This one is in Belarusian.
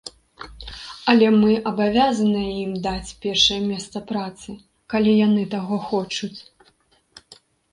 Але мы абавязаныя ім даць першае месца працы, калі яны таго хочуць.